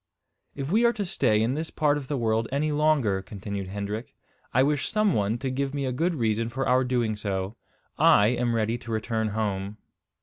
"If we are to stay in this part of the world any longer," continued Hendrik, "I wish some one to give me a good reason for our doing so. I am ready to return home."